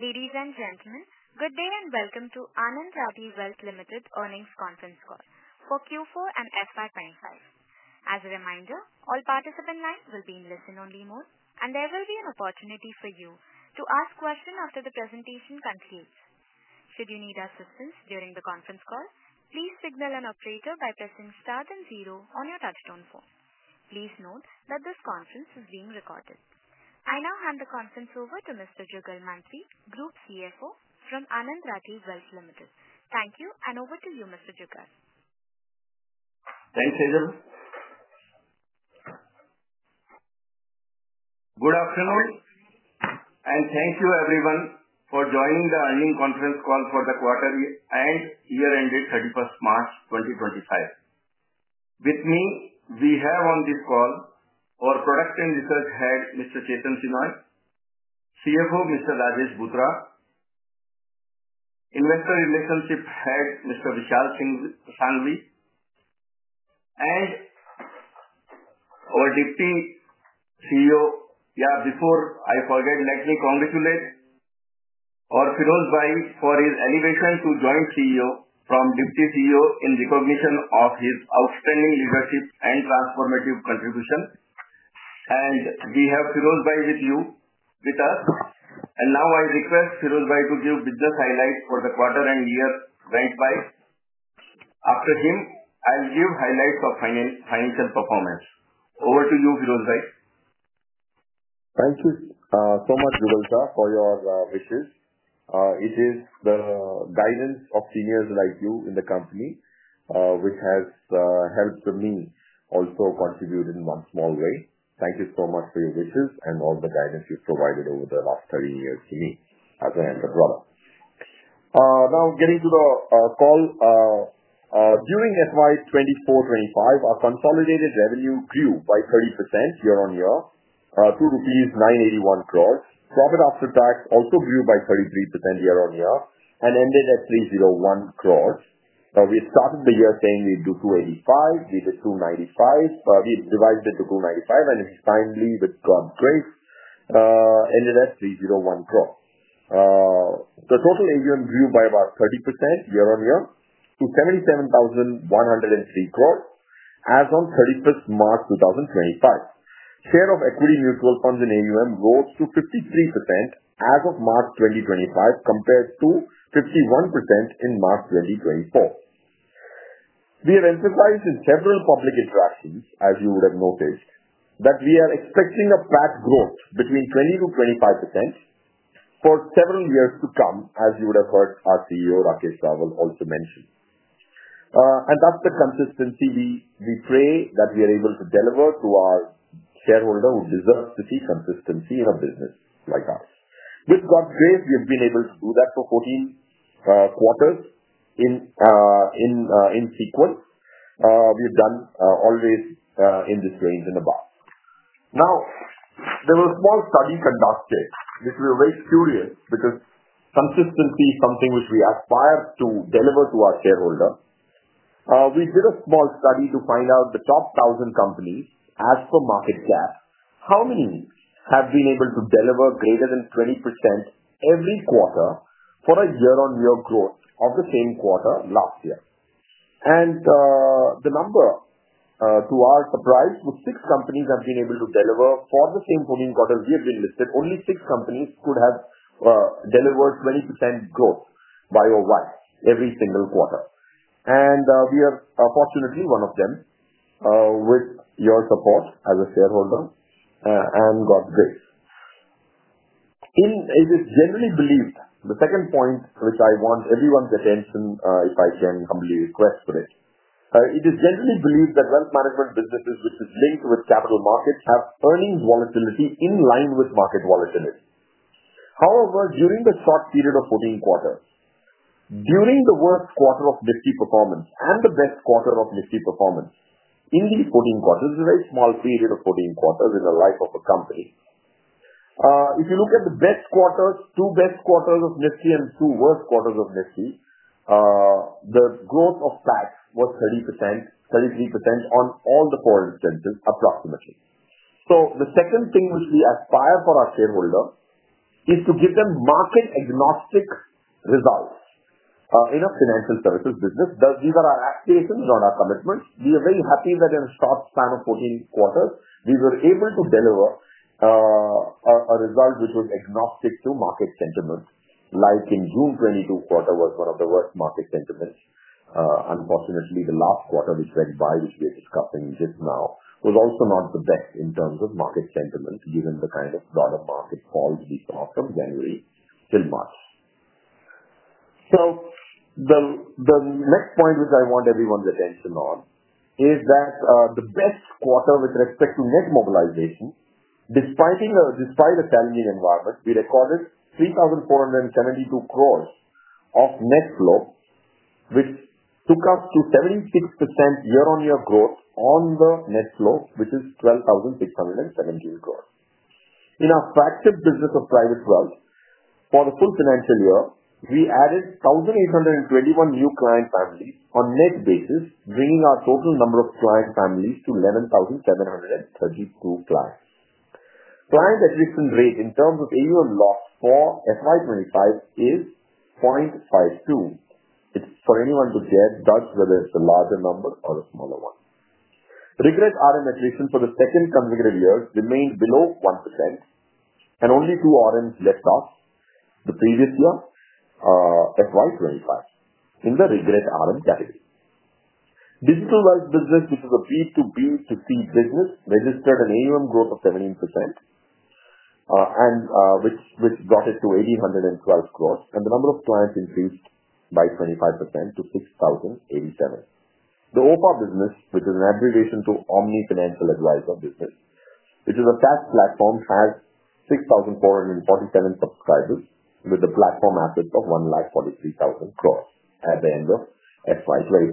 Ladies and gentlemen, good day and welcome to Anand Rathi Wealth Limited earnings conference call for Q4 and FY25. As a reminder, all participants' lines will be in listen-only mode, and there will be an opportunity for you to ask questions after the presentation concludes. Should you need assistance during the conference call, please signal an operator by pressing star then zero on your touch-tone phone. Please note that this conference is being recorded. I now hand the conference over to Mr. Jugal Mantri, Group CFO from Anand Rathi Wealth Limited. Thank you, and over to you, Mr. Jugal. Thanks, Azeez. Good afternoon, and thank you, everyone, for joining the earning conference call for the quarter and year-end date 31st March 2025. With me, we have on this call our Product and Research Head, Mr. Chethan Shenoy, CFO, Mr. Rajesh Bhutra, Investor Relationship Head, Mr. Vishal Sanghvi, and our Deputy CEO. Yeah, before I forget, let me congratulate our Feroze Bhai for his elevation to Joint CEO from Deputy CEO in recognition of his outstanding leadership and transformative contribution. And we have Feroze Bhai with us. Now I request Feroze Bhai to give business highlights for the quarter and year-end went by. After him, I'll give highlights of financial performance. Over to you, Feroze Bhai. Thank you so much, Jugal Sir, for your wishes. It is the guidance of seniors like you in the company, which has helped me also contribute in one small way. Thank you so much for your wishes and all the guidance you've provided over the last 30 years to me as an entrepreneur. Now, getting to the call. During FY 2024-2025, our consolidated revenue grew by 30% year-on-year to 981 crore. Profit after tax also grew by 33% year-on-year and ended at 301 crore. We started the year saying we'd do 285; we did 295. We revised it to 295, and finally, with God's grace, ended at 301 crore. The total AUM grew by about 30% year-on-year to 77,103 crore as of 31st March 2025. Share of equity mutual funds in AUM rose to 53% as of March 2025, compared to 51% in March 2024. We have emphasized in several public interactions, as you would have noticed, that we are expecting a PAT growth between 20%-25% for several years to come, as you would have heard our CEO, Rakesh Rawal, also mention. That is the consistency we pray that we are able to deliver to our shareholder who deserves to see consistency in a business like ours. With God's grace, we have been able to do that for 14 quarters in sequence. We have done always in this range and above. There was a small study conducted, which we were very curious because consistency is something which we aspire to deliver to our shareholder. We did a small study to find out the top 1,000 companies, as per market cap, how many have been able to deliver greater than 20% every quarter for a year-on-year growth of the same quarter last year. The number, to our surprise, was six companies have been able to deliver for the same 14 quarters we have been listed. Only six companies could have delivered 20% growth quarter by quarter every single quarter. We are, fortunately, one of them, with your support as a shareholder, and God's grace. It is generally believed—the second point which I want everyone's attention, if I can humbly request for it—it is generally believed that wealth management businesses, which are linked with capital markets, have earnings volatility in line with market volatility. However, during the short period of 14 quarters, during the worst quarter of Nifty performance and the best quarter of Nifty performance, in these 14 quarters—a very small period of 14 quarters in the life of a company—if you look at the best quarters, two best quarters of Nifty, and two worst quarters of Nifty, the growth of PAT was 30%, 33% on all the four instances, approximately. The second thing which we aspire for our shareholder is to give them market-agnostic results in a financial services business. These are our aspirations, not our commitments. We are very happy that in a short span of 14 quarters, we were able to deliver a result which was agnostic to market sentiment. Like in June, the 22nd quarter was one of the worst market sentiments. Unfortunately, the last quarter, which went by, which we are discussing just now, was also not the best in terms of market sentiment, given the kind of broader market falls we saw from January till March. The next point which I want everyone's attention on is that the best quarter with respect to net mobilization, despite a challenging environment, we recorded 3,472 crore of net flow, which took us to 76% year-on-year growth on the net flow, which is 12,617 crore. In our fractured business of private wealth, for the full financial year, we added 1,821 new client families on a net basis, bringing our total number of client families to 11,732 clients. Client attrition rate in terms of AUM loss for FY 2025 is 0.52%. It's for anyone to judge whether it's a larger number or a smaller one. Regret RM attrition for the second consecutive year remained below 1%, and only two RMs left off the previous year FY2025 in the regret RM category. Digital wealth business, which is a B2B2C business, registered an AUM growth of 17%, which brought it to 1,812 crore, and the number of clients increased by 25% to 6,087. The OFA business, which is an abbreviation to Omni Financial Advisor business, which is a tax platform, has 6,447 subscribers with a platform asset of 143,000 crore at the end of FY2025.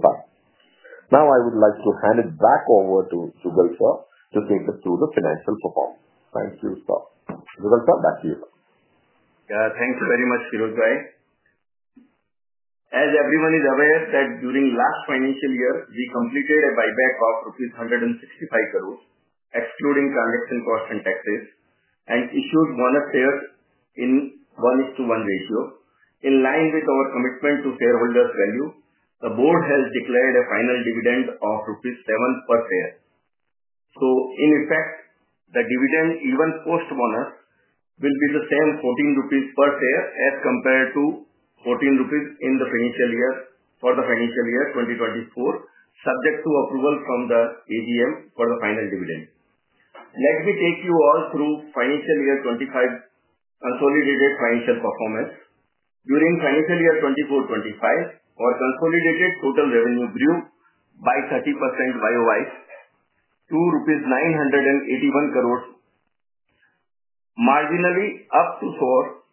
Now, I would like to hand it back over to Jugal Sir to take us through the financial performance. Thank you, sir. Jugal Sir, back to you. Yeah, thanks very much, Feroze Bhai. As everyone is aware, during the last financial year, we completed a buyback of 165 crore, excluding transaction costs and taxes, and issued bonus shares in 1:1 ratio. In line with our commitment to shareholders' value, the board has declared a final dividend of rupees 7 per share. In effect, the dividend, even post-bonus, will be the same INR 14 per share as compared to INR 14 in the financial year for the financial year 2024, subject to approval from the AGM for the final dividend. Let me take you all through financial year 2025 consolidated financial performance. During financial year 2024-2025, our consolidated total revenue grew by 30% year-on-year to rupees 981 crore, marginally up to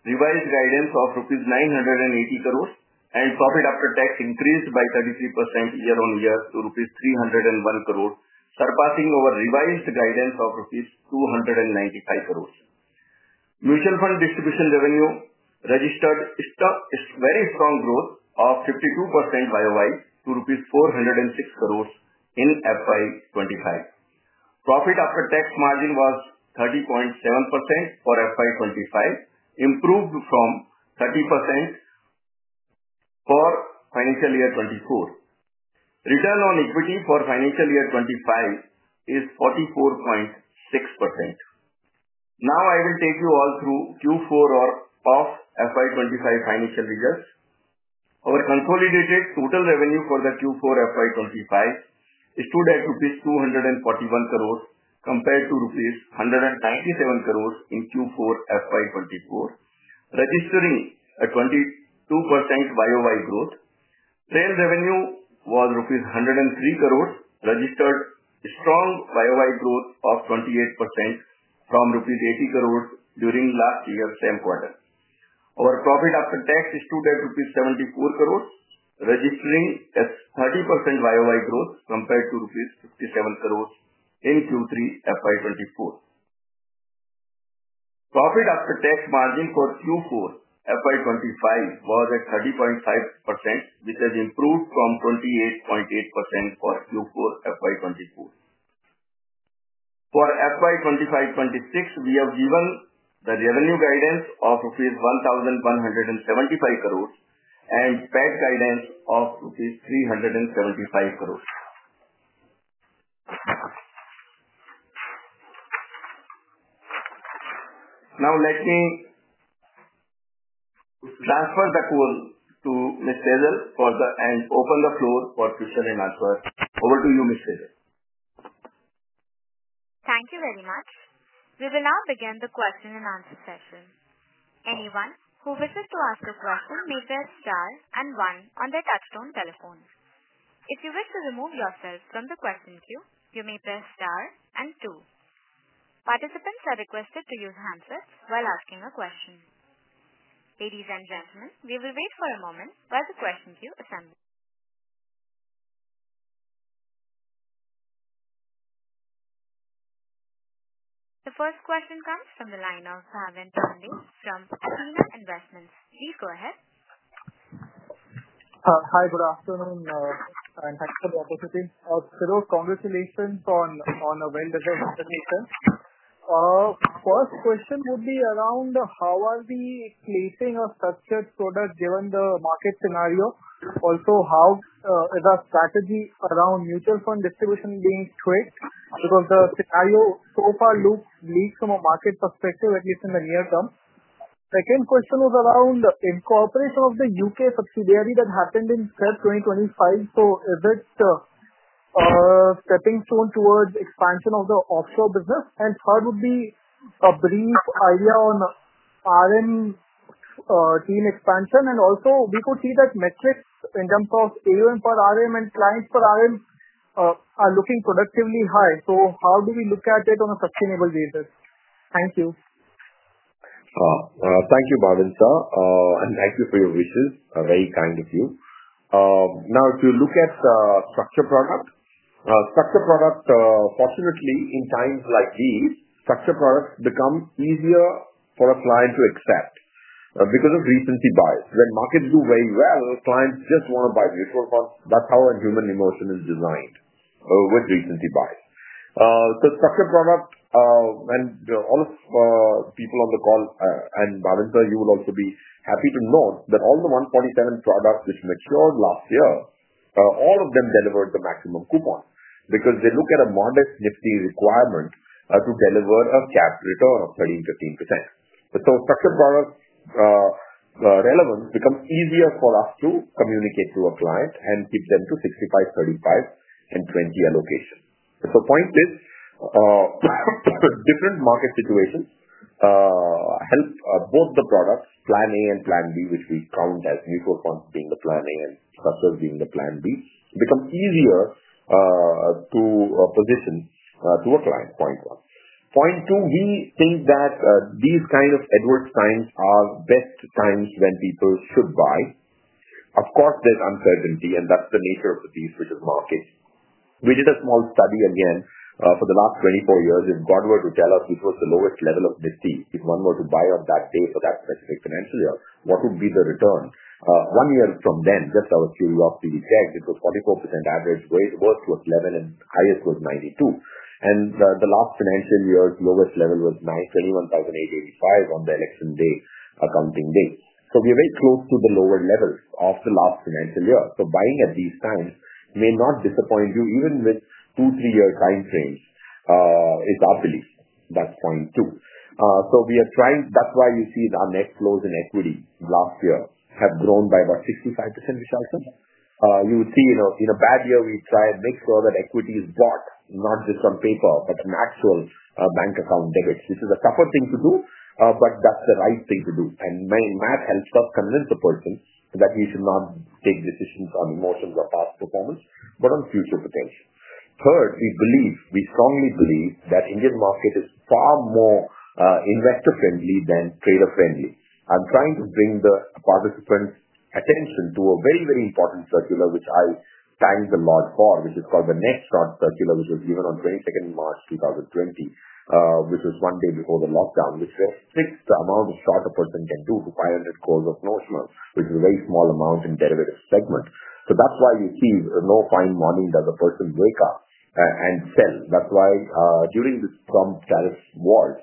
revised guidance of rupees 980 crore, and profit after tax increased by 33% year-on-year to INR 301 crore, surpassing our revised guidance of rupees 295 crore. Mutual fund distribution revenue registered very strong growth of 52% year-on-year to INR 406 crores in FY25. Profit after tax margin was 30.7% for FY25, improved from 30% for financial year 2024. Return on equity for financial year 2025 is 44.6%. Now, I will take you all through Q4 of FY25 financial results. Our consolidated total revenue for the Q4 FY25 stood at rupees 241 crores, compared to rupees 197 crores in Q4 FY24, registering a 22% year-on-year growth. Trail revenue was 103 crores, registered strong year-on-year growth of 28% from 80 crores rupees during last year's same quarter. Our profit after tax stood at 74 crores, registering a 30% year-on-year growth compared to 57 crores rupees in Q3 FY24. Profit after tax margin for Q4 FY25 was at 30.5%, which has improved from 28.8% for Q4 FY24. For FY25-26, we have given the revenue guidance of INR 1,175 crores and PAT guidance of INR 375 crores. Now, let me transfer the call to Ms. Tejal and open the floor for question and answer. Over to you, Ms. Tejal. Thank you very much. We will now begin the question and answer session. Anyone who wishes to ask a question may press star and one on their touch-tone telephone. If you wish to remove yourself from the question queue, you may press star and two. Participants are requested to use handsets while asking a question. Ladies and gentlemen, we will wait for a moment while the question queue assembles. The first question comes from the line of Bhavin Pande from Athena Investments. Please go ahead. Hi, good afternoon, and thanks for the opportunity. Feroze, congratulations on a well-designed presentation. First question would be around how are we placing such a product given the market scenario? Also, how is our strategy around mutual fund distribution being tweaked? Because the scenario so far looks bleak from a market perspective, at least in the near term. Second question was around incorporation of the U.K. subsidiary that happened in February 2025. Is it a stepping stone towards expansion of the offshore business? Third would be a brief idea on RM team expansion. Also, we could see that metrics in terms of AUM per RM and clients per RM are looking productively high. How do we look at it on a sustainable basis? Thank you. Thank you, Bhavin Sir, and thank you for your wishes. Very kind of you. Now, if you look at structured product, structured product, fortunately, in times like these, structured products become easier for a client to accept because of recency bias. When markets do very well, clients just want to buy mutual funds. That is how a human emotion is designed with recency bias. Structured product, and all of the people on the call, and Bhavin Sir, you will also be happy to note that all the 147 products which matured last year, all of them delivered the maximum coupon because they look at a modest Nifty requirement to deliver a capped return of 13%. Structured product relevance becomes easier for us to communicate to a client and keep them to 65, 35, and 20 allocation. The point is different market situations help both the products, Plan A and Plan B, which we count as mutual funds being the Plan A and structured being the Plan B, become easier to position to a client. Point one. Point two, we think that these kind of adverse times are best times when people should buy. Of course, there is uncertainty, and that is the nature of the beast, which is market. We did a small study again for the last 24 years. If God were to tell us which was the lowest level of Nifty, if one were to buy on that day for that specific financial year, what would be the return? One year from then, just out of curiosity check, it was 44% average, worst was 11%, and highest was 92%. And the last financial year's lowest level was 21,885 on the election day, accounting day. We are very close to the lower levels of the last financial year. Buying at these times may not disappoint you, even with two- or three-year time frames, is our belief. That is point two. We are trying—that is why you see our net flows in equity last year have grown by about 65%, which I will come to. You would see in a bad year, we try and make sure that equity is bought, not just on paper, but in actual bank account debits, which is a tougher thing to do, but that is the right thing to do. That helps us convince the person that you should not take decisions on emotions or past performance, but on future potential. Third, we believe, we strongly believe that the Indian market is far more investor-friendly than trader-friendly. I'm trying to bring the participants' attention to a very, very important circular, which I thank the Lord for, which is called the Next Short Circular, which was given on 22nd March 2020, which was one day before the lockdown, which restricts the amount of short a person can do to 500 crore of notional, which is a very small amount in derivative segment. That is why you see no fine morning does a person wake up and sell. That is why during the Trump tariff wars,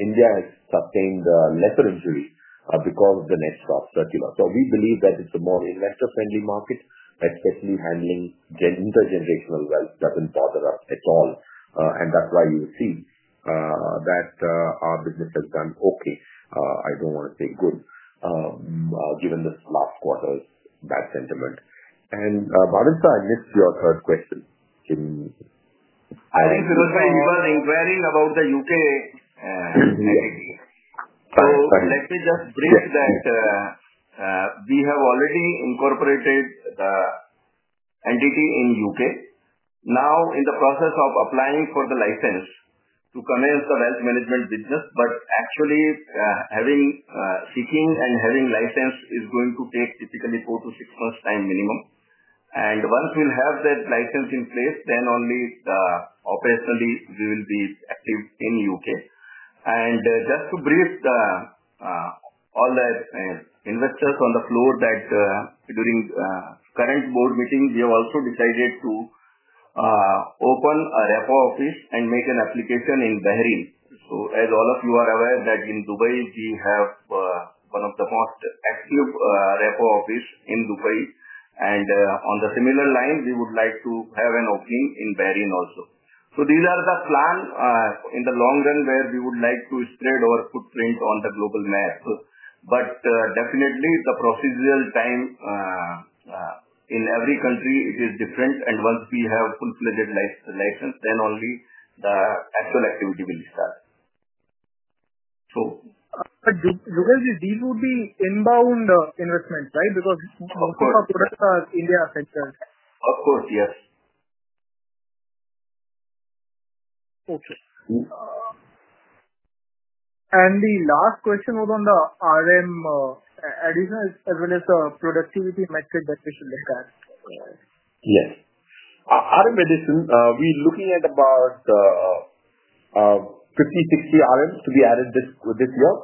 India has sustained lesser injury because of the Next Short Circular. We believe that it's a more investor-friendly market, especially handling intergenerational wealth doesn't bother us at all. That is why you will see that our business has done okay. I don't want to say good, given this last quarter's bad sentiment. Bhavin Sir, I missed your third question. I think Feroze Bhai we were inquiring about the U.K. entity. Let me just brief that we have already incorporated the entity in the U.K. Now, in the process of applying for the license to commence the wealth management business, but actually seeking and having license is going to take typically four to six months' time minimum. Once we have that license in place, then only operationally we will be active in the U.K. Just to brief all the investors on the floor that during the current board meeting, we have also decided to open a rep office and make an application in Bahrain. As all of you are aware, in Dubai, we have one of the most active rep offices in Dubai. On the similar line, we would like to have an opening in Bahrain also. These are the plans in the long run where we would like to spread our footprint on the global map. Definitely, the procedural time in every country is different, and once we have fully fledged license, then only the actual activity will start. Jugal, these would be inbound investments, right? Because most of our products are India-centered. Of course, yes. Okay. The last question was on the RM addition as well as the productivity metric that we should look at. Yes. RM addition, we're looking at about 50-60 RMs to be added this year.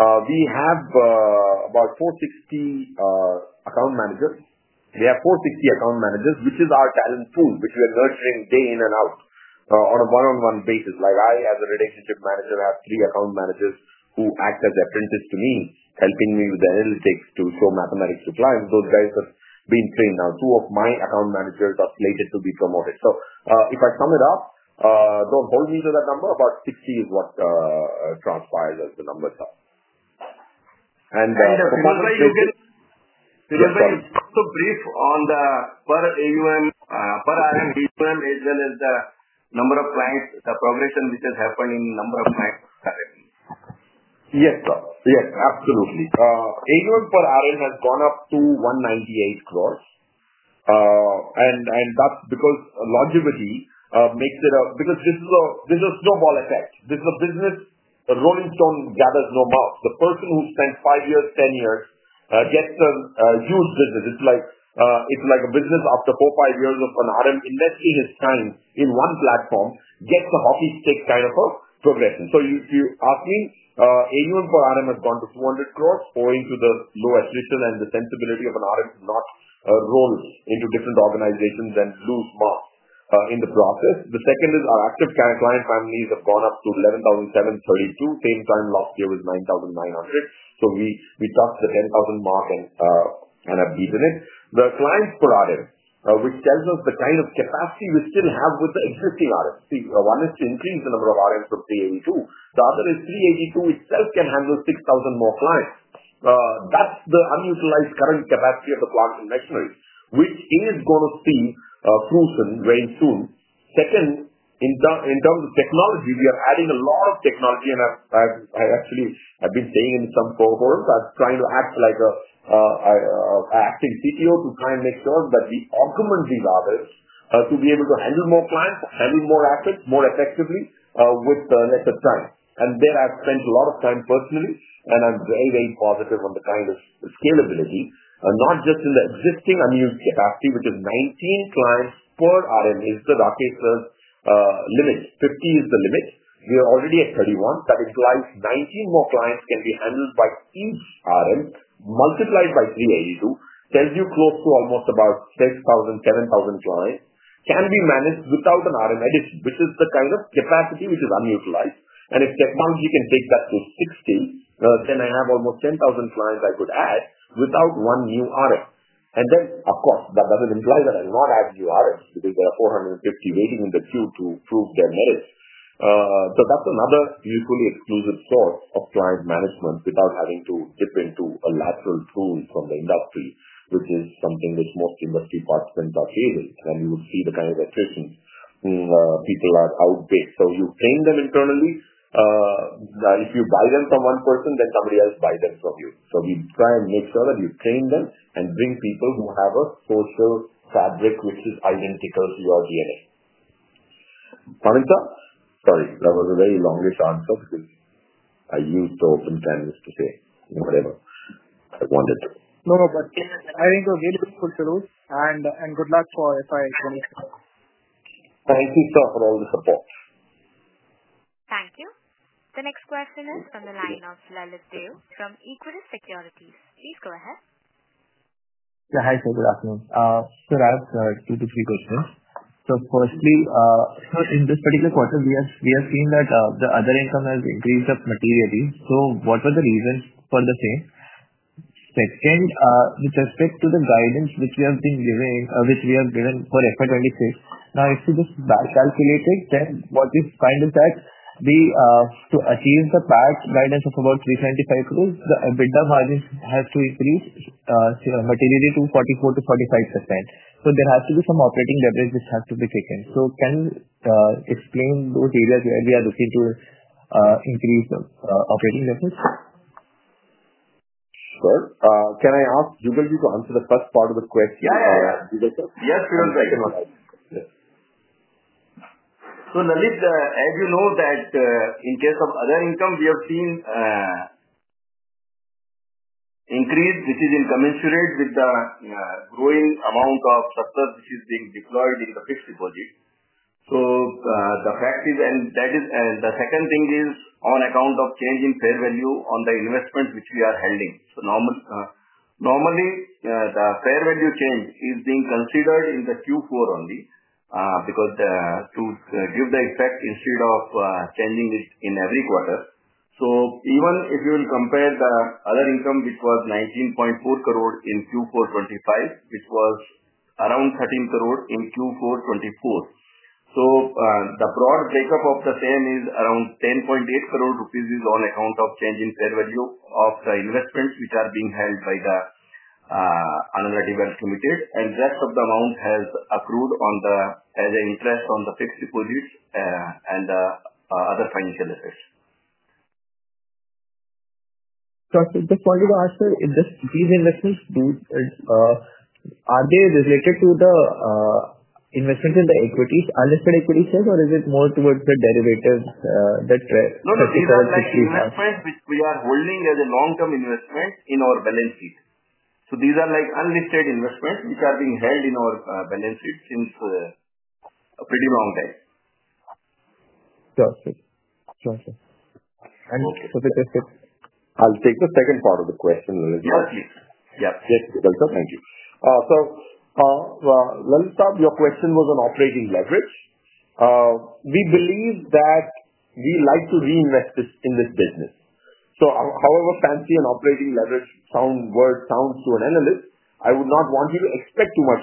We have about 460 account managers. We have 460 account managers, which is our talent pool, which we are nurturing day in and out on a one-on-one basis. Like I, as a relationship manager, have three account managers who act as apprentices to me, helping me with the analytics to show mathematics to clients. Those guys have been trained. Now, two of my account managers are slated to be promoted. If I sum it up, do not hold me to that number. About 60 is what transpires as the numbers are. Feroze Bhai, you just briefed on the per AUM. Per RM, AUM as well as the number of clients, the progression which has happened in number of clients currently. Yes, sir. Yes, absolutely. AUM per RM has gone up to 198 crore. And that's because longevity makes it a—because this is a snowball effect. This is a business; a rolling stone gathers no mouths. The person who spent 5 years, 10 years gets a huge business. It's like a business after 4, 5 years of an RM investing his time in one platform gets a hockey stick kind of a progression. If you ask me, AUM per RM has gone to 200 crore, owing to the low attrition and the sensibility of an RM to not roll into different organizations and lose marks in the process. The second is our active client families have gone up to 11,732. Same time last year was 9,900. We touched the 10,000 mark and have beaten it. The clients per RM, which tells us the kind of capacity we still have with the existing RMs. See, one is to increase the number of RMs from 382. The other is 382 itself can handle 6,000 more clients. That's the unutilized current capacity of the clients in machineries, which is going to see a cruise in very soon. Second, in terms of technology, we are adding a lot of technology. I actually have been saying in some forums, I'm trying to act like an acting CTO to try and make sure that we augment these others to be able to handle more clients, handle more assets more effectively with lesser time. There I've spent a lot of time personally, and I'm very, very positive on the kind of scalability, not just in the existing unused capacity, which is 19 clients per RM is the Rakesh's limit. 50 is the limit. We are already at 31. That implies 19 more clients can be handled by each RM, multiplied by 382, tells you close to almost about 6,000-7,000 clients can be managed without an RM addition, which is the kind of capacity which is unutilized. If technology can take that to 60, then I have almost 10,000 clients I could add without one new RM. Of course, that does not imply that I will not add new RMs because there are 450 waiting in the queue to prove their merits. That is another mutually exclusive source of client management without having to dip into a lateral tool from the industry, which is something most industry participants are facing. You will see the kind of attrition people are outbid. You train them internally. If you buy them from one person, then somebody else buys them from you. We try and make sure that you train them and bring people who have a social fabric which is identical to your DNA. Bhavin Sir? Sorry, that was a very longish answer because I used the open canvas to say whatever I wanted to. No, no, I think it was really useful, Feroze. Good luck for FY2020. Thank you, sir, for all the support. Thank you. The next question is from the line of Lalit Deo from Equirus Securities. Please go ahead. Yeah, hi sir, good afternoon. Sir, I have two to three questions. Firstly, sir, in this particular quarter, we have seen that the other income has increased up materially. What were the reasons for the same? Second, with respect to the guidance which we have been given, which we have given for FY 2026, now if we just back calculate it, then what we find is that to achieve the PAT guidance of about 375 crore, the EBITDA margins have to increase materially to 44-45%. There has to be some operating leverage which has to be taken. Can you explain those areas where we are looking to increase the operating leverage? Sure. Can I ask Jugal Mantri to answer the first part of the question? Yes, Feroze Bhai. Lalit, as you know, that in case of other income, we have seen increase, which is incommensurate with the growing amount of structure which is being deployed in the fixed deposit. The fact is, and the second thing is on account of changing fair value on the investment which we are handling. Normally, the fair value change is being considered in the Q4 only because to give the effect instead of changing it in every quarter. Even if you will compare the other income, which was 19.4 crore in Q4 2025, which was around 13 crore in Q4 2024. The broad breakup of the same is around 10.8 crore rupees is on account of changing fair value of the investments which are being held by Anand Rathi Wealth Limited. The rest of the amount has accrued as interest on the fixed deposits and other financial assets. Just wanted to ask, sir, these investments, are they related to the investments in the unlisted equity shares, or is it more towards the derivatives that? No, no, these are investments which we are holding as a long-term investment in our balance sheet. These are like unlisted investments which are being held in our balance sheet since a pretty long time. Sure, sure. And just to take the second part of the question, Lalit. Yes, please. Yes. Yes, Feroze Bhai, thank you. Lalit, your question was on operating leverage. We believe that we like to reinvest in this business. However fancy an operating leverage word sounds to an analyst, I would not want you to expect too much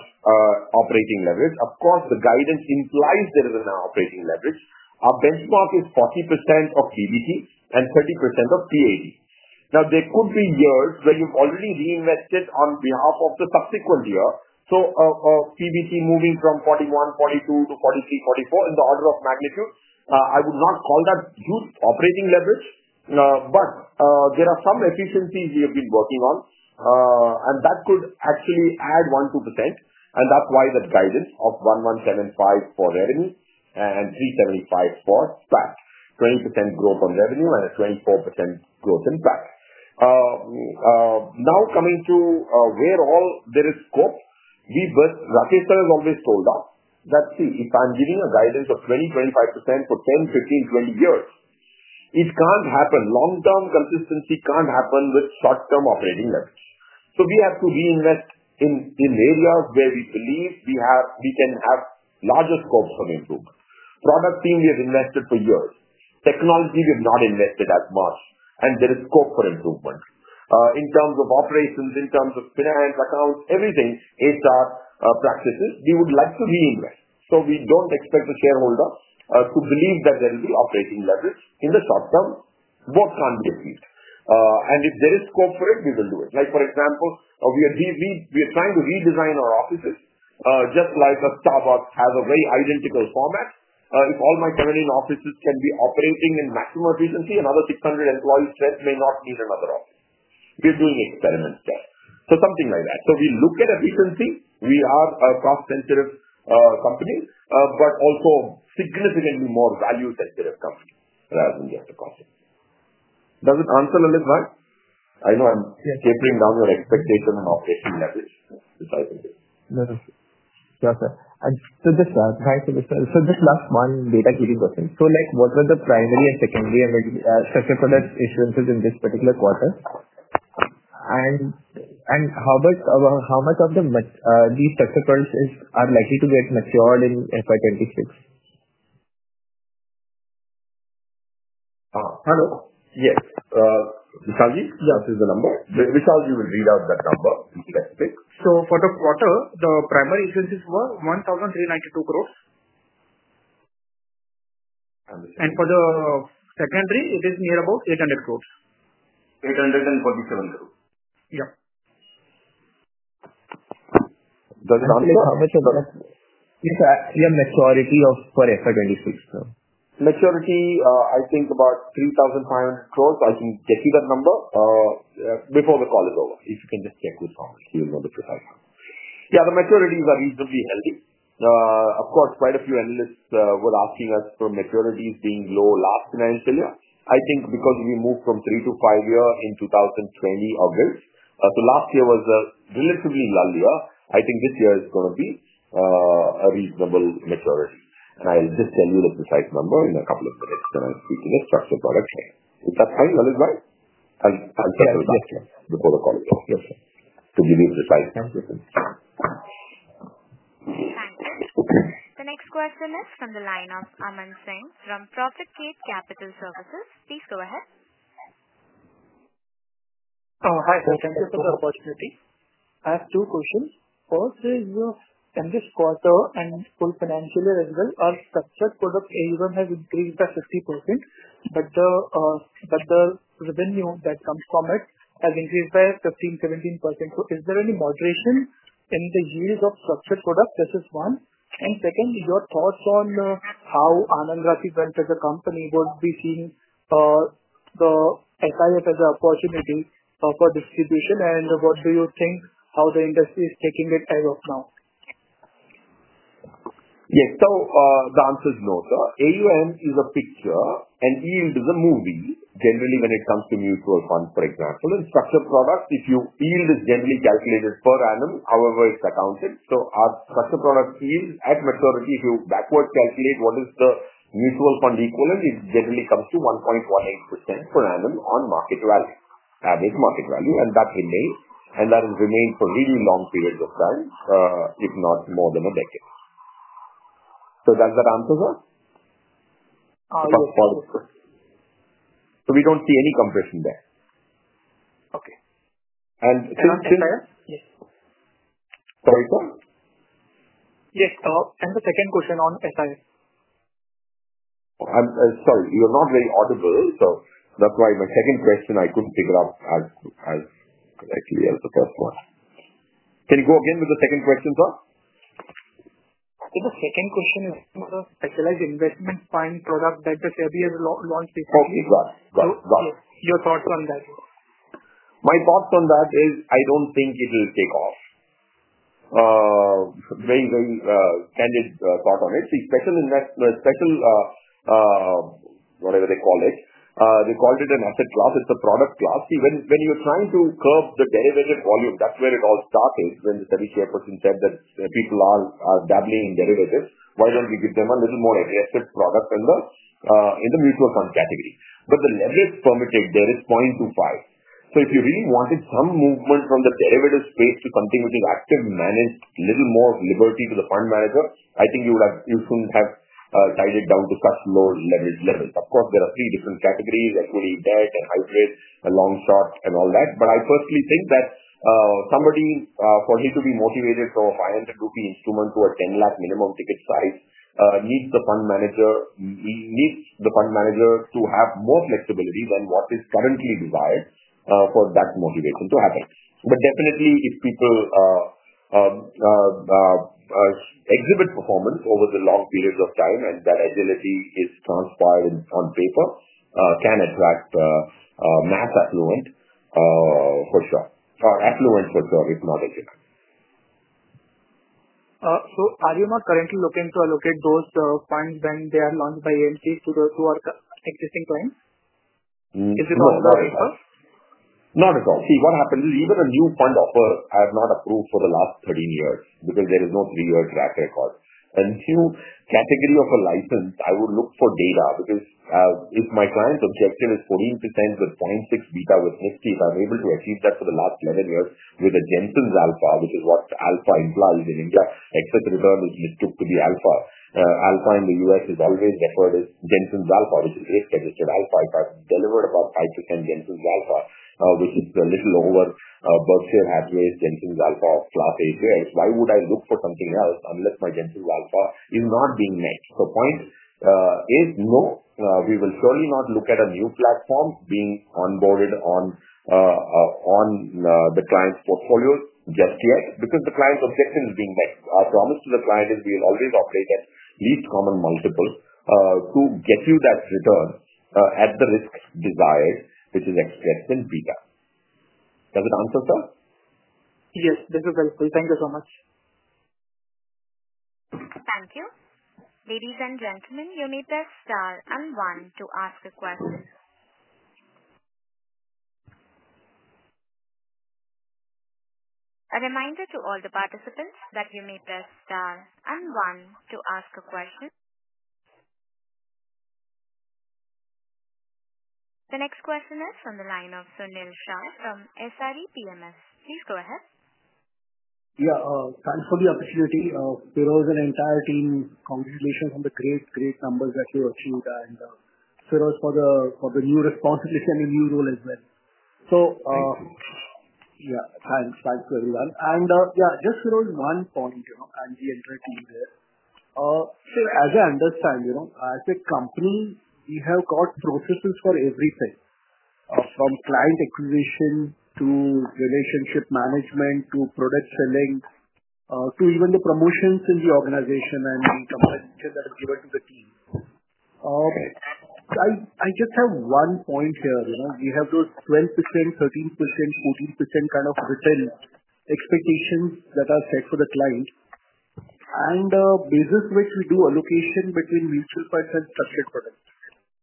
operating leverage. Of course, the guidance implies there is an operating leverage. Our benchmark is 40% of PBT and 30% of PAT. There could be years where you have already reinvested on behalf of the subsequent year. PBT moving from 41, 42 to 43, 44 in the order of magnitude, I would not call that huge operating leverage. There are some efficiencies we have been working on, and that could actually add 1-2%. That is why that guidance of 1,175 for revenue and 375 for PAT, 20% growth on revenue and a 24% growth in PAT. Now coming to where all there is scope, Rakesh Sir has always told us that if I'm giving a guidance of 20-25% for 10, 15, 20 years, it can't happen. Long-term consistency can't happen with short-term operating leverage. We have to reinvest in areas where we believe we can have larger scopes of improvement. Product team, we have invested for years. Technology, we have not invested as much. There is scope for improvement. In terms of operations, in terms of finance, accounts, everything, HR practices, we would like to reinvest. We don't expect the shareholder to believe that there will be operating leverage in the short term, both can't be achieved. If there is scope for it, we will do it. Like for example, we are trying to redesign our offices just like a Starbucks has a very identical format. If all my 17 offices can be operating in maximum efficiency, another 600 employees may not need another office. We are doing experiments there. Something like that. We look at efficiency. We are a cost-sensitive company, but also significantly more value-sensitive company rather than just the cost. Does it answer, Lalit, why? I know I am tapering down your expectation on operating leverage. No, no, sir. Sure, sir. Just to tie to this, just last one data keeping question. What were the primary and secondary structured product issuances in this particular quarter? How much of these structured products are likely to get matured in FY 2026? Hello? Yes. Vishalji? Yeah. What is the number? Vishalji will read out that number specific. For the quarter, the primary issuances were 1,392 crore. For the secondary, it is near about 800 crore. 847 crores. Yeah. Does it answer? Vishal, how much of that is your maturity for FY26? Maturity, I think about 3,500 crore. I can get you that number before the call is over. If you can just check with Feroze, he will know the precise number. Yeah, the maturities are reasonably healthy. Of course, quite a few analysts were asking us for maturities being low last financial year. I think because we moved from three- to five-year in 2020 August. Last year was a relatively lull year. I think this year is going to be a reasonable maturity. I'll just tell you the precise number in a couple of minutes when I'm speaking at structured product share. Is that fine, Lalit? I'll settle that before the call is over to give you precise answers. Thank you. The next question is from the line of Amansingh from ProfitGate Capital Services. Please go ahead. Hi, sir. Thank you for the opportunity. I have two questions. First is, in this quarter and full financial year as well, our structured product AUM has increased by 50%, but the revenue that comes from it has increased by 15-17%. Is there any moderation in the yield of structured product? This is one. Second, your thoughts on how Anand Rathi Wealth as a company would be seeing the SIF as an opportunity for distribution, and what do you think how the industry is taking it as of now? Yes. The answer is no. AUM is a picture, and yield is a movie, generally when it comes to mutual funds, for example. In structured products, yield is generally calculated per annum, however it is accounted. Our structured product yield at maturity, if you backwards calculate what is the mutual fund equivalent, it generally comes to 1.18% per annum on market value, average market value. That remains, and that has remained for really long periods of time, if not more than a decade. Does that answer, sir? All right. We do not see any compression there. Since. Sir, yes. Sorry, sir? Yes. The second question on SIF. Sorry, you're not very audible, so that's why my second question I couldn't figure out as correctly as the first one. Can you go again with the second question, sir? The second question is on the specialized investment fund product that the SEBI has launched recently. Oh, okay. Got it. Got it. Your thoughts on that? My thoughts on that is I don't think it will take off. Very, very candid thought on it. See, special investment, special whatever they call it, they called it an asset class. It's a product class. See, when you're trying to curb the derivative volume, that's where it all started when the SEBI chairperson said that people are dabbling in derivatives. Why don't we give them a little more aggressive product in the mutual fund category? But the leverage permitted there is 0.25. If you really wanted some movement from the derivative space to something which is active managed, a little more liberty to the fund manager, I think you shouldn't have tied it down to such low leverage levels. Of course, there are three different categories: equity, debt, and hybrid, and long, short, and all that. I personally think that somebody, for him to be motivated from a 500 rupee instrument to a 1,000,000 minimum ticket size, needs the fund manager to have more flexibility than what is currently desired for that motivation to happen. Definitely, if people exhibit performance over long periods of time and that agility is transpired on paper, can attract mass affluent for sure. Affluent for sure, if not agile. Are you not currently looking to allocate those funds when they are launched by AMC to our existing clients? Is it also a paper? Not at all. See, what happens is even a new fund offer I have not approved for the last 13 years because there is no three-year track record. A new category of a license, I would look for data because if my client's objective is 14% with 0.6 beta with Nifty, if I'm able to achieve that for the last 11 years with a Jensen's Alpha, which is what Alpha implies in India, excess return is took to be Alpha. Alpha in the U.S. is always referred as Jensen's Alpha, which is risk-adjusted Alpha. If I've delivered about 5% Jensen's Alpha, which is a little over Berkshire Hathaway's Jensen's Alpha of Class A shares, why would I look for something else unless my Jensen's Alpha is not being met? The point is no. We will surely not look at a new platform being onboarded on the client's portfolio just yet because the client's objective is being met. Our promise to the client is we will always operate at least common multiple to get you that return at the risk desired, which is excess in beta. Does it answer, sir? Yes, this is helpful. Thank you so much. Thank you. Ladies and gentlemen, you may press star and one to ask a question. A reminder to all the participants that you may press star and one to ask a question. The next question is from the line of Sunil Shah from SRE PMS. Please go ahead. Yeah. Thanks for the opportunity. Feroze and the entire team, congratulations on the great, great numbers that you achieved. Feroze, for the new responsibility and the new role as well. Thank you. Yeah. Thanks. Thanks to everyone. Yeah, just Feroze, one point, and the entire team there. As I understand, as a company, we have got processes for everything from client acquisition to relationship management to product selling to even the promotions in the organization and the competition that is given to the team. I just have one point here. We have those 12%, 13%, 14% kind of written expectations that are set for the client and business which we do allocation between mutual funds and structured products.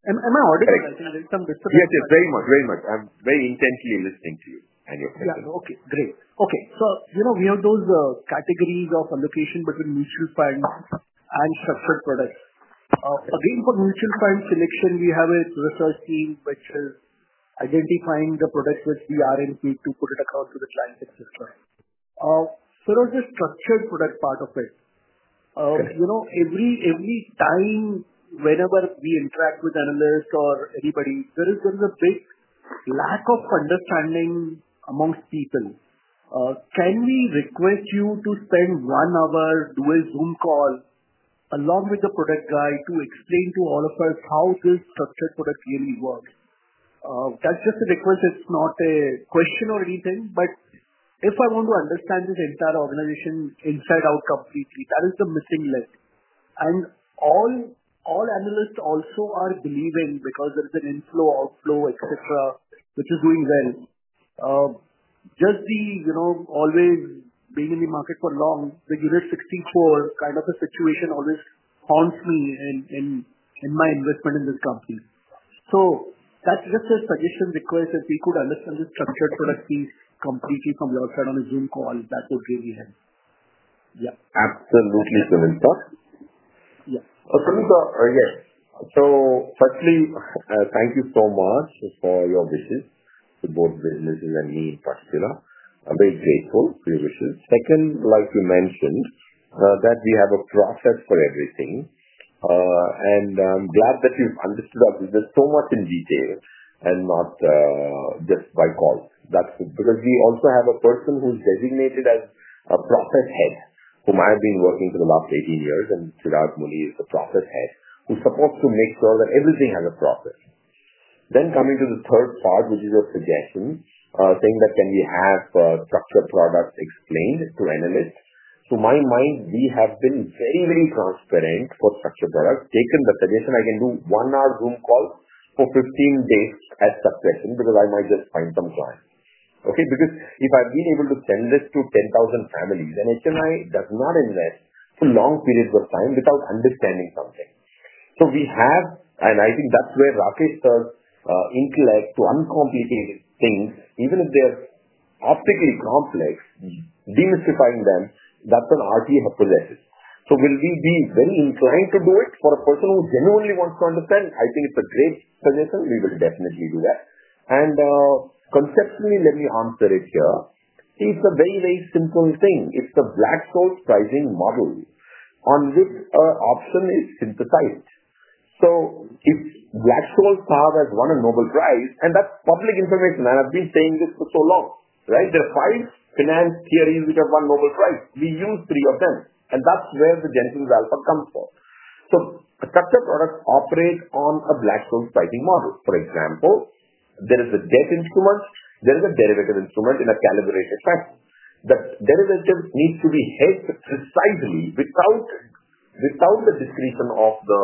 Am I audible? I think there's some disruption. Yes, yes. Very much, very much. I'm very intently listening to you and your question. Yeah. Okay. Great. Okay. We have those categories of allocation between mutual funds and structured products. Again, for mutual fund selection, we have a research team which is identifying the products which we are in need to put it across to the client, etc. Feroze, the structured product part of it. Every time whenever we interact with analysts or anybody, there is a big lack of understanding amongst people. Can we request you to spend one hour, do a Zoom call along with the product guy to explain to all of us how this structured product really works? That is just a request. It is not a question or anything. If I want to understand this entire organization inside out completely, that is the missing link. All analysts also are believing because there is an inflow, outflow, etc., which is doing well. Just the always being in the market for long, the US-64 kind of a situation always haunts me in my investment in this company. That's just a suggestion request that we could understand the structured product piece completely from your side on a Zoom call. That would really help. Yeah. Absolutely, Sunil sir. Yeah. Sunil sir, yes. Firstly, thank you so much for your wishes to both businesses and me in particular. I'm very grateful for your wishes. Second, like you mentioned, that we have a process for everything. I'm glad that you've understood our business so much in detail and not just by call. We also have a person who's designated as a process head whom I've been working with for the last 18 years, and Sridhar Muni is the process head who's supposed to make sure that everything has a process. Coming to the third part, which is your suggestion, saying that can we have structured products explained to analysts? To my mind, we have been very, very transparent for structured products. Taken the suggestion, I can do one-hour Zoom call for 15 days at succession because I might just find some clients. Okay? Because if I've been able to send this to 10,000 families, an HNI does not invest for long periods of time without understanding something. We have, and I think that's where Rakesh's intellect to uncomplicate things, even if they are optically complex, demystifying them, that's an RTF possession. Will we be very inclined to do it for a person who genuinely wants to understand? I think it's a great suggestion. We will definitely do that. Conceptually, let me answer it here. It's a very, very simple thing. It's a Black-Scholes pricing model on which an option is synthesized. Black-Scholes has won a Nobel Prize, and that's public information, and I've been saying this for so long, right? There are five finance theories which have won Nobel Prize. We use three of them. That's where the Jensen's Alpha comes from. Structured products operate on a Black-Scholes pricing model. For example, there is a debt instrument. There is a derivative instrument in a calibrated fashion. The derivative needs to be held precisely without the discretion of the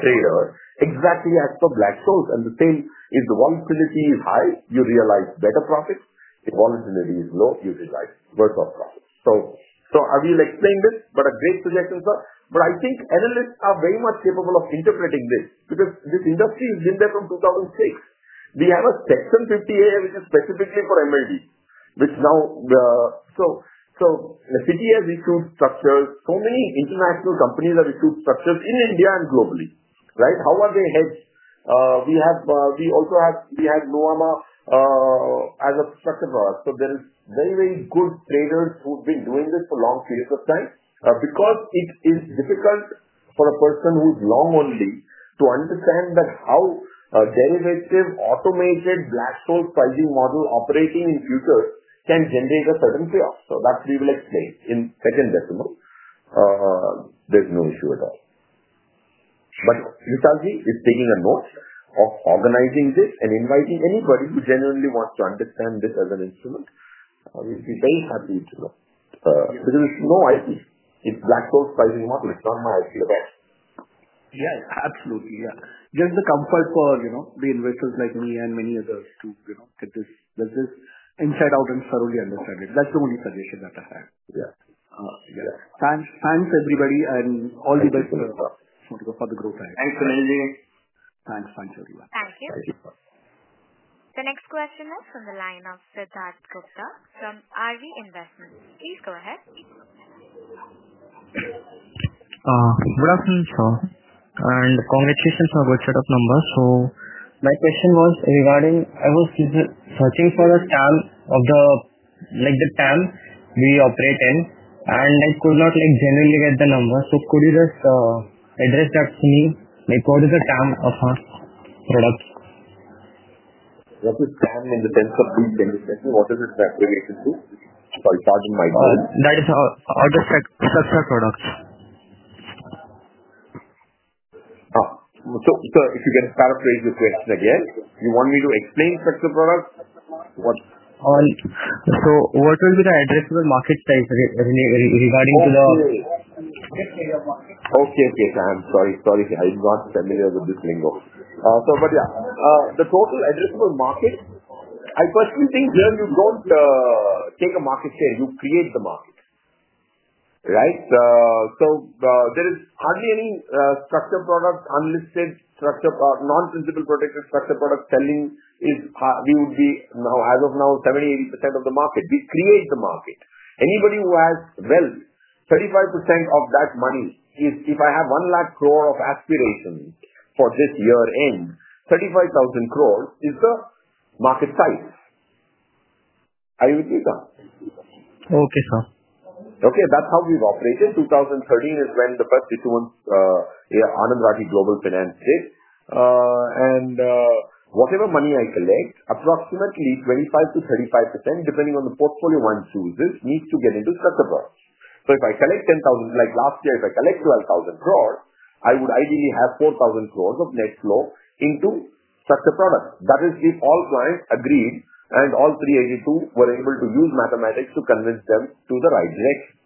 trader, exactly as for Black-Scholes. The same is, if the volatility is high, you realize better profits. If volatility is low, you realize worse profits. I will explain this, but a great suggestion, sir. I think analysts are very much capable of interpreting this because this industry has been there from 2006. We have a Section 50AA which is specifically for MLD, which now, so the Citi has issued structures. Many international companies have issued structures in India and globally, right? How are they hedged? We also have Nuvama as a structured product. There are very, very good traders who have been doing this for long periods of time because it is difficult for a person who is long-only to understand how a derivative automated Black-Scholes pricing model operating in futures can generate a certain payoff. That we will explain in second decimal. There is no issue at all. Vishalji is taking a note of organizing this and inviting anybody who genuinely wants to understand this as an instrument. I will be very happy to know because it is no IP. It is Black-Scholes pricing model. It is not my IP at all. Yeah. Absolutely. Yeah. Just the comfort for the investors like me and many others to get this business inside out and thoroughly understand it. That's the only suggestion that I have. Yeah. Yeah. Thanks, everybody, and all the best for the growth. Thanks, Sunilji. Thanks. Thanks, everyone. Thank you. Thank you. The next question is from the line of Sridhar Gupta from RV Investments. Please go ahead. Good afternoon, sir. Congratulations on your good setup number. My question was regarding I was searching for the TAM of the TAM we operate in, and I could not generally get the number. Could you just address that to me? What is the TAM of our product? What is TAM in the sense of we benefit? What is its aggregation to? Sorry, start in my mind. That is our structured product. If you can paraphrase your question again, you want me to explain structured product? What? What will be the addressable market size regarding to the? Okay. Okay. I'm sorry. Sorry. I'm not familiar with this lingo. But yeah, the total addressable market, I personally think here you don't take a market share. You create the market, right? There is hardly any structured product, unlisted structured product, non-principal protected structured product selling is we would be now, as of now, 70-80% of the market. We create the market. Anybody who has wealth, 35% of that money is if I have 1 lakh crore of aspiration for this year-end, 35,000 crore is the market size. Are you with me? Okay, sir. Okay. That's how we've operated. 2013 is when the first issuance, Anand Rathi Global Finance did. And whatever money I collect, approximately 25%-35%, depending on the portfolio one chooses, needs to get into structured products. So if I collect 10,000, like last year, if I collect 12,000 crore, I would ideally have 4,000 crore of net flow into structured product. That is if all clients agreed and all three agreed to, were able to use mathematics to convince them to the right direction.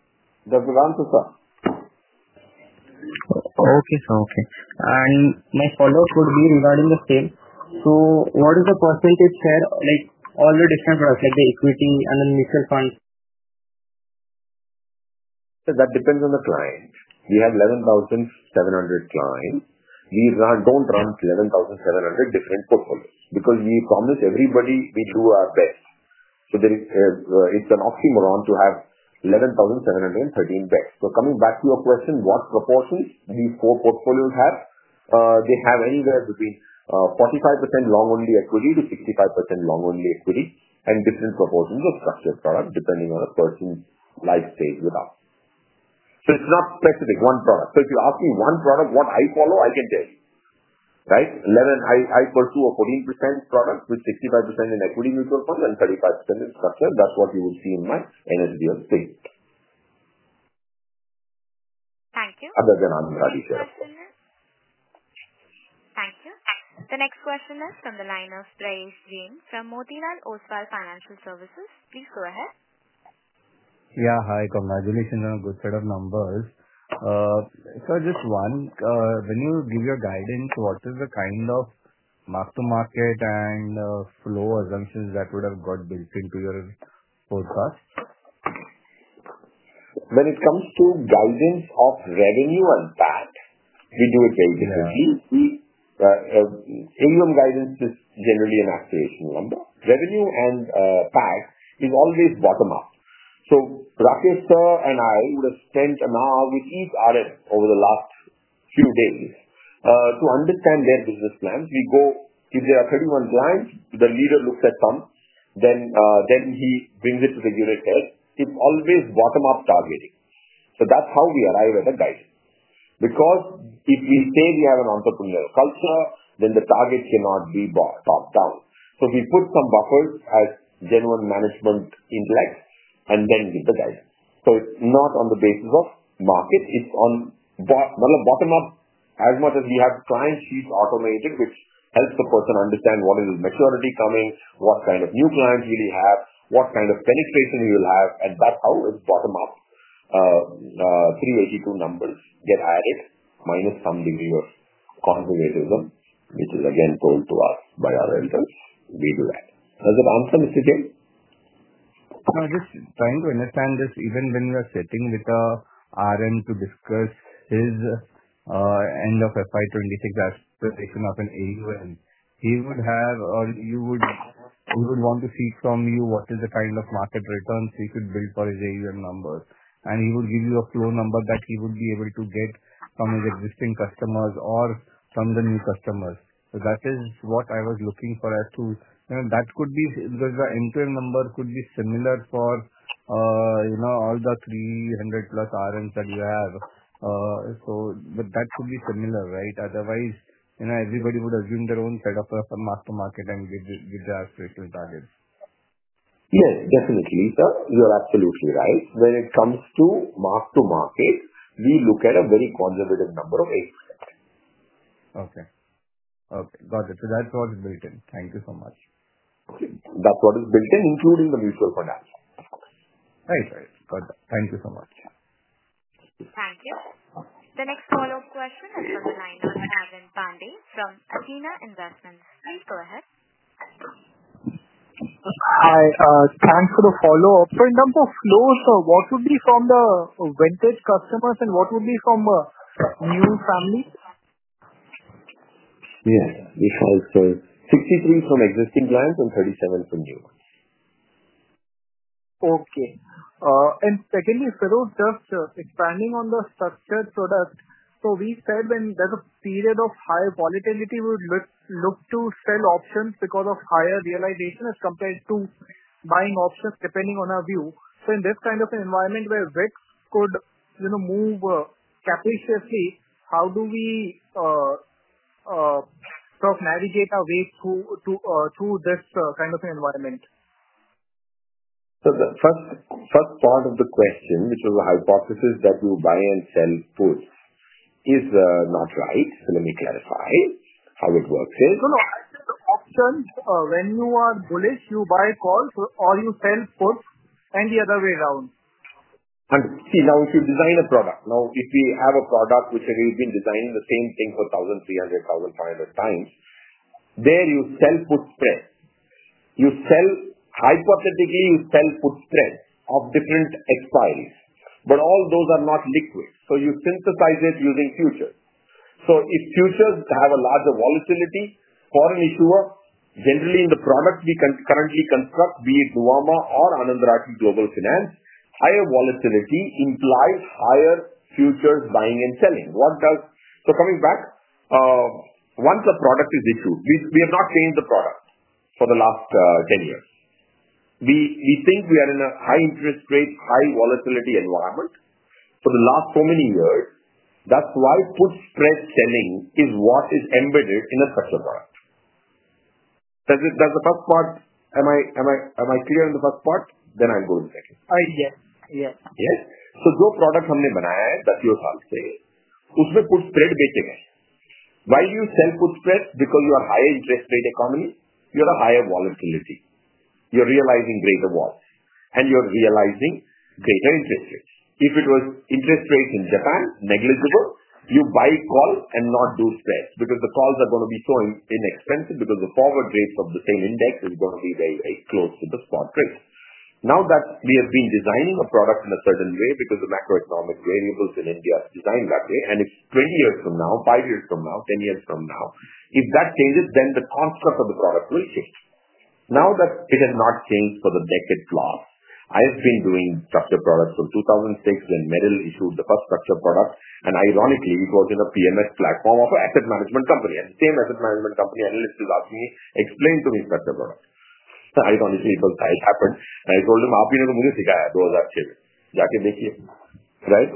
Does it answer, sir? Okay, sir. Okay. My follow-up would be regarding the sale. What is the percentage share of all the different products, like the equity and the mutual funds? That depends on the client. We have 11,700 clients. We do not run 11,700 different portfolios because we promise everybody we do our best. It is an oxymoron to have 11,713 bets. Coming back to your question, what proportions do these four portfolios have? They have anywhere between 45% long-only equity to 65% long-only equity and different proportions of structured product depending on a person's life stage with us. It is not specific, one product. If you ask me one product, what I follow, I can tell you, right? I pursue a 14% product with 65% in equity mutual funds and 35% in structured. That is what you will see in my NSDL statement. Thank you. Other than Anand Rathi Sir. Thank you. The next question is from the line of Prayesh Jain from Motilal Oswal Financial Services. Please go ahead. Yeah. Hi. Congratulations on good set of numbers. Just one, when you give your guidance, what is the kind of mark-to-market and flow assumptions that would have got built into your forecast? When it comes to guidance of revenue and PAT, we do it very differently. AUM guidance is generally an aspirational number. Revenue and PAT is always bottom-up. Rakesh sir and I would have spent an hour with each RM over the last few days to understand their business plans. We go, if there are 31 clients, the leader looks at some, then he brings it to the unit head. It is always bottom-up targeting. That is how we arrive at a guidance. Because if we say we have an entrepreneurial culture, then the target cannot be top-down. We put some buffers as genuine management intellect and then give the guidance. It is not on the basis of market. It's on bottom-up as much as we have client sheets automated, which helps the person understand what is the maturity coming, what kind of new clients will he have, what kind of penetration he will have. That's how it's bottom-up. 382 numbers get added minus some degree of conservatism, which is again told to us by our interns. We do that. Does it answer Mr. Jain? Just trying to understand this. Even when you are sitting with an RM to discuss his end of FY 2026 aspiration of an AUM, he would have or you would want to seek from you what is the kind of market returns he could build for his AUM numbers. He would give you a flow number that he would be able to get from his existing customers or from the new customers. That is what I was looking for as to that could be because the end-to-end number could be similar for all the 300-plus RMs that you have. That could be similar, right? Otherwise, everybody would assume their own setup of a mark-to-market and give the aspirational target. Yes, definitely, sir. You're absolutely right. When it comes to mark-to-market, we look at a very conservative number of 8%. Okay. Okay. Got it. That is what is built in. Thank you so much. That's what is built in, including the mutual fund aspect. Right. Right. Got it. Thank you so much. Thank you. The next follow-up question is from the line of Bhavin Pande from Athena Investments. Please go ahead. Hi. Thanks for the follow-up. In terms of flows, what would be from the vintage customers and what would be from new families? Yes. Vishal sir, 63 from existing clients and 37 from new ones. Okay. Secondly, Sridhar, just expanding on the structured product. We said when there is a period of high volatility, we would look to sell options because of higher realization as compared to buying options depending on our view. In this kind of an environment where VIX could move capriciously, how do we sort of navigate our way through this kind of an environment? The first part of the question, which was a hypothesis that you buy and sell puts, is not right. Let me clarify how it works here. No, no. I said the options, when you are bullish, you buy calls or you sell puts and the other way around. See, now if you design a product, now if we have a product which has already been designed the same thing for 1,300-1,500 times, there you sell put spread. Hypothetically, you sell put spread of different expiries, but all those are not liquid. You synthesize it using futures. If futures have a larger volatility, foreign issuer, generally in the product we currently construct, be it Nuvama or Anand Rathi Global Finance, higher volatility implies higher futures buying and selling. Coming back, once a product is issued, we have not changed the product for the last 10 years. We think we are in a high interest rate, high volatility environment for the last so many years. That is why put spread selling is what is embedded in a structured product. Does the first part, am I clear in the first part? I will go to the second. Yes. Yes. Yes. Those products have been denied, that's your answer. Used to put spread betting it. Why do you sell put spread? Because you are higher interest rate economy, you have a higher volatility. You're realizing greater vols, and you're realizing greater interest rates. If it was interest rates in Japan, negligible, you buy calls and not do spreads because the calls are going to be so inexpensive because the forward rates of the same index is going to be very, very close to the spot rate. Now that we have been designing a product in a certain way because the macroeconomic variables in India are designed that way, and it's 20 years from now, 5 years from now, 10 years from now, if that changes, then the construct of the product will change. Now that it has not changed for the decade plus, I have been doing structured products from 2006 when Merrill Lynch issued the first structured product, and ironically, it was in a PMS platform of an asset management company. The same asset management company analyst is asking me, "Explain to me structured product." Ironically, because that happened, I told him, "आप ही ने तो मुझे सिखाया 2006 में. जाके देखिए." Right?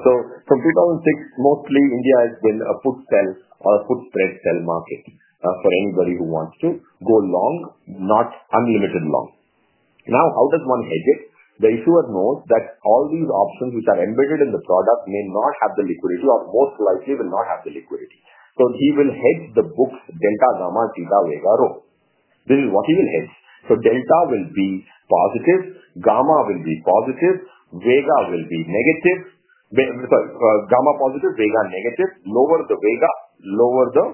From 2006, mostly India has been a put sell or a put spread sell market for anybody who wants to go long, not unlimited long. Now, how does one hedge it? The issuer knows that all these options which are embedded in the product may not have the liquidity or most likely will not have the liquidity. He will hedge the book's delta, gamma, theta, vega, rho. This is what he will hedge. Delta will be positive, gamma will be positive, vega will be negative. Sorry, gamma positive, vega negative. Lower the vega, lower the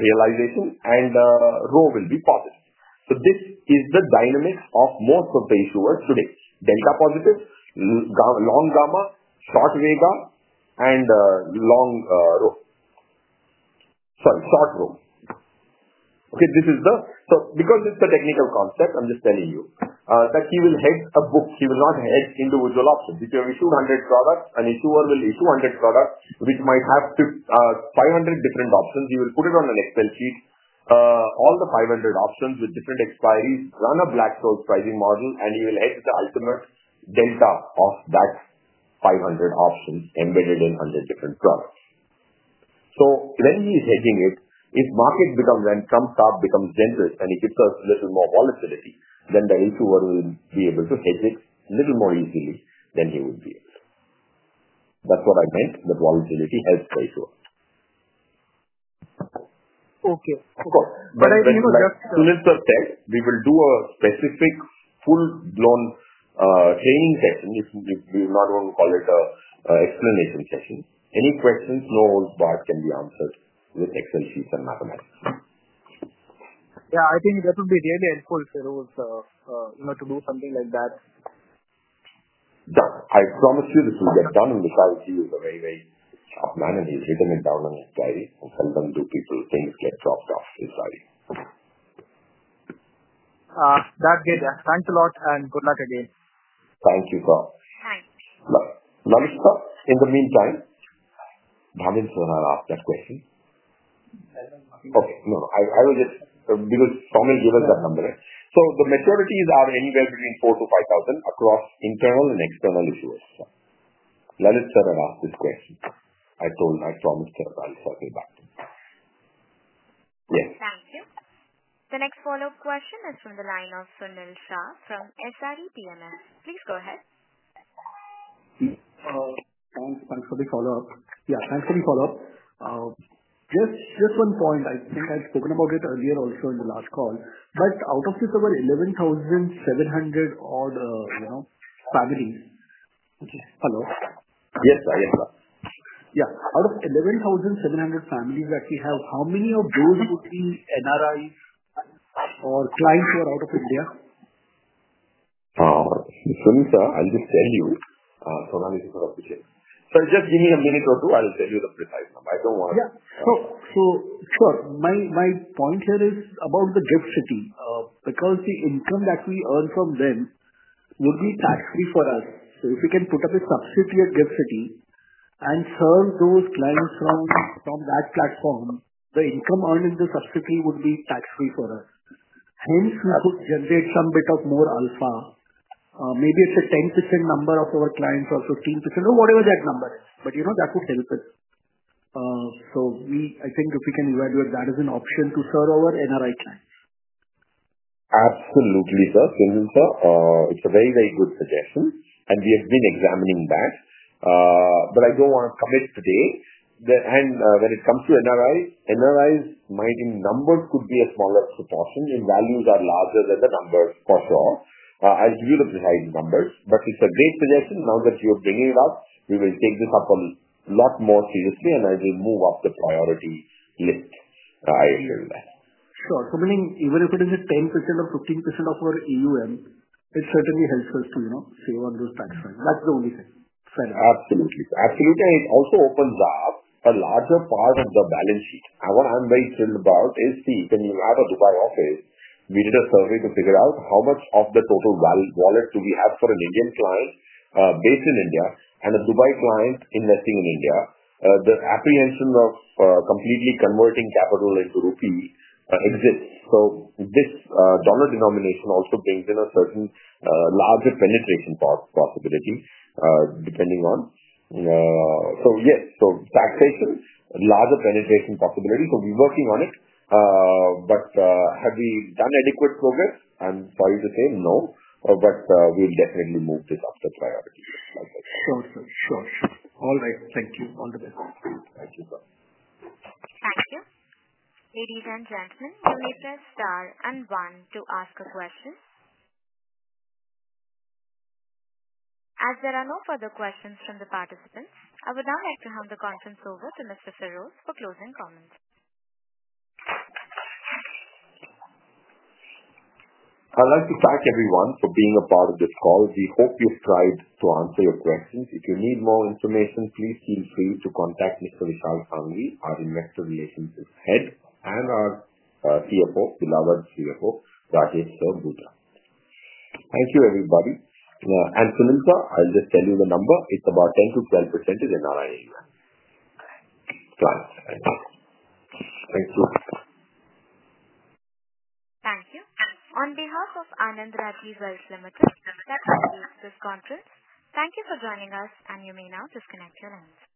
realization, and rho will be positive. This is the dynamics of most of the issuers today. Delta positive, long gamma, short vega, and long rho. Sorry, short rho. Because it is a technical concept, I am just telling you that he will hedge a book. He will not hedge individual options. If you have issued 100 products, an issuer will issue 100 products which might have 500 different options. He will put it on an Excel sheet, all the 500 options with different expiries, run a Black-Scholes pricing model, and he will hedge the ultimate delta of that 500 options embedded in 100 different products. When he is hedging it, if market becomes and becomes generous and he gives us a little more volatility, then the issuer will be able to hedge it a little more easily than he would be able to. That's what I meant, that volatility helps the issuer. Okay. Of course. I think just. As soon as this is set, we will do a specific full-blown training session. We do not want to call it an explanation session. Any questions, no holds barred, can be answered with Excel sheets and mathematics. Yeah. I think that would be really helpful, Feroze sir, to do something like that. Done. I promise you this will get done. Vishalji is a very, very sharp man, and he's written it down in his diary. Seldom do things get dropped off his diary. That's it. Thanks a lot and good luck again. Thank you, sir. Thanks. Now, Vishal sir, in the meantime, Bhavin sir has asked that question. No, no. I was just because Somil gave us that number, right? The maturities are anywhere between 4,000-5,000 across internal and external issuers. Lalit sir had asked this question. I promised Bhavin sir will get back to him. Yes. Thank you. The next follow-up question is from the line of Sunil Shah from SRE PMS. Please go ahead. Thanks. Thanks for the follow-up. Yeah. Thanks for the follow-up. Just one point. I think I've spoken about it earlier also in the last call. Out of this over 11,700 odd families, hello? Yes, sir. Yes, sir. Yeah. Out of 11,700 families that we have, how many of those would be NRIs or clients who are out of India? Sunil sir, I'll just tell you. So long as you sort of speaking. Just give me a minute or two. I'll tell you the precise number. I don't want to. Yeah. Sure. My point here is about GIFT City because the income that we earn from them would be tax-free for us. If we can put up a subsidiary at GIFT City and serve those clients from that platform, the income earned in the subsidiary would be tax-free for us. Hence, we could generate some bit of more alpha. Maybe it is a 10% number of our clients or 15% or whatever that number is. That would help us. I think if we can evaluate that as an option to serve our NRI clients. Absolutely, sir. Sunil sir, it's a very, very good suggestion. We have been examining that. I do not want to commit today. When it comes to NRIs, NRIs in numbers could be a smaller proportion. If values are larger than the numbers, for sure. I will give you the precise numbers. It is a great suggestion. Now that you are bringing it up, we will take this up a lot more seriously, and it will move up the priority list. I will do that. Sure. Meaning even if it is 10% or 15% of our AUM, it certainly helps us to save on those tax funds. That is the only thing. Absolutely. Absolutely. It also opens up a larger part of the balance sheet. What I'm very thrilled about is, see, when you have a Dubai office, we did a survey to figure out how much of the total wallet we have for an Indian client based in India and a Dubai client investing in India. The apprehension of completely converting capital into rupee exits. This dollar denomination also brings in a certain larger penetration possibility depending on, yes, taxation, larger penetration possibility. We are working on it. Have we done adequate progress? I'm sorry to say no, but we will definitely move this up the priority list. Sure. Sure. All right. Thank you. All the best. Thank you, sir. Thank you. Ladies and gentlemen, you may press star and one to ask a question. As there are no further questions from the participants, I would now like to hand the conference over to Mr. Feroze for closing comments. I'd like to thank everyone for being a part of this call. We hope you've tried to answer your questions. If you need more information, please feel free to contact Mr. Vishal Sanghvi, our Investor Relations Head, and our CFO, Rajesh Bhutra. Thank you, everybody. Sunil sir, I'll just tell you the number. It's about 10-12% in NRI area. Thanks. Thank you. Thank you. On behalf of Anand Rathi Wealth Limited, that completes this conference. Thank you for joining us, and you may now disconnect your lines.